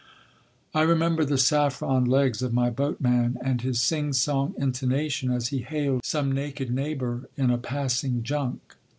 "I remember the saffron legs of my boatman and his sing song intonation as he hailed some naked neighbour in a passing junk.